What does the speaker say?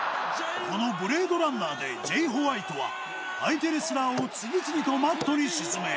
このブレードランナーでジェイ・ホワイトは相手レスラーを次々とマットに沈め。